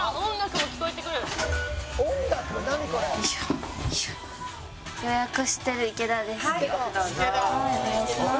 はいお願いします。